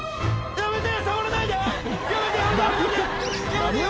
やめて！